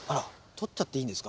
取っちゃっていいんですか？